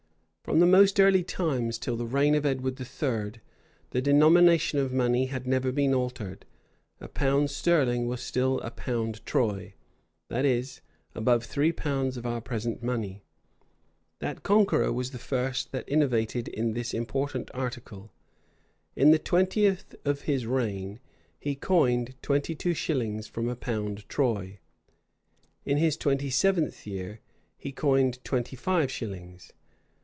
From the most early times till the reign of Edward III., the denomination of money had never been altered; a pound sterling was still a pound troy; that is, about three pounds of our present money. That conqueror was the first that innovated in this important article. In the twentieth of his reign, he coined twenty two shillings from a pound troy; in his twenty seventh year, he coined twenty five shillings.